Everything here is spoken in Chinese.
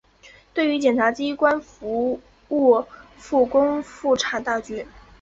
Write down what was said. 对于检察机关服务复工复产大局